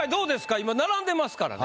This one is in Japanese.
今並んでますからね。